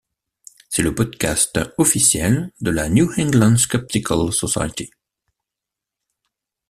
C'est le podcast officiel de la New England Skeptical Society.